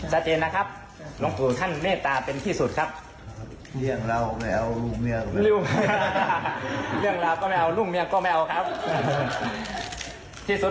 ให้คุณนะครับ